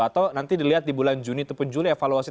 atau nanti dilihat di bulan juni ataupun juli evaluasi